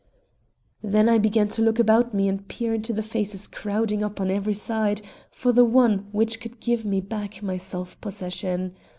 Then I began to look about me and peer into the faces crowding up on every side, for the only one which could give me back my self possession.